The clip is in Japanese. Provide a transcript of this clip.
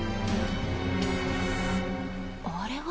あれは。